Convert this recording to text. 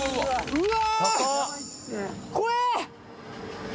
うわ